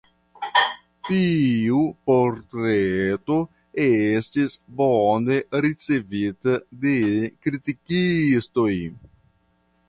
Tiu portreto estis bone ricevita de kritikistoj.